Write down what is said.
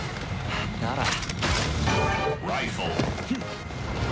なら。